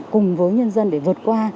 cùng với nhân dân để vượt qua